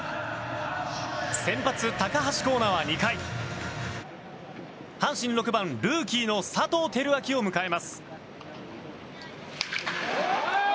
先発、高橋光成は２回阪神６番、ルーキーの佐藤輝明を迎えます。